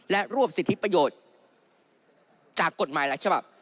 และรวบสิทธิประโยชน์จากกฎหมายหลายฉบับ